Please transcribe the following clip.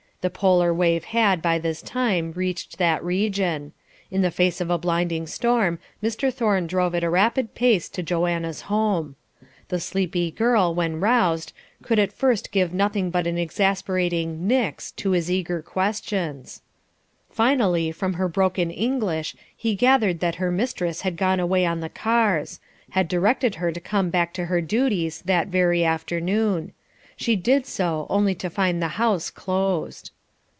The polar wave had, by this time, reached that region. In the face of a blinding storm Mr. Thorne drove at a rapid pace to Joanna's home. The sleepy girl, when roused, could at first give but an exasperating "Nix" to his eager questions. Finally from her broken English he gathered that her mistress had gone away on the cars; had directed her to come back to her duties that very afternoon. She did so, only to find the house closed.